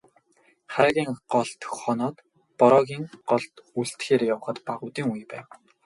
Хараагийн голд хоноод, Бороогийн голд үлдэхээр явахад бага үдийн үе байв.